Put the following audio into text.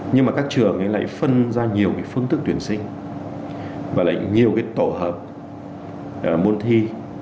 nhưng mà các trường lại phân ra nhiều phương thức tuyển sinh và lại nhiều cái tổ hợp môn thi